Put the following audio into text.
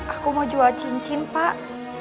aku mau jual cincin pak